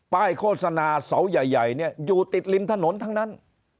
ป้ายโฆษณาเสาใหญ่อยู่ติดลิมถนนทั้งนั้น